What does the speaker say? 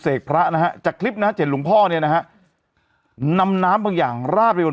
พระนะฮะจากคลิปนะเจ็ดหลวงพ่อเนี่ยนะฮะนำน้ำบางอย่างราบไปบน